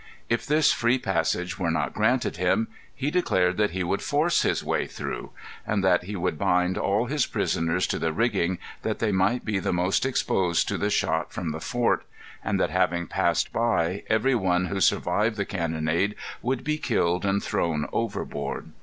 If this free passage were not granted him, he declared that he would force his way through; and that he would bind all his prisoners to the rigging, that they might be the most exposed to the shot from the fort; and that having passed by, every one who survived the cannonade should be killed and thrown overboard.